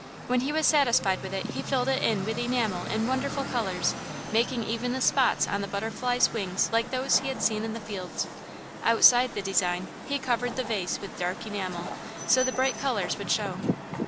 When he was satisfied with it, he filled it in with enamel in wonderful colours, making even the spots on the butterflies' wings like those he had seen in the fields. Outside the design, he covered the vase with dark enamel, so the bright colours would show.